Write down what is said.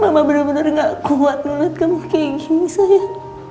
mama benar benar enggak kuat melihat kamu kayak gini sayang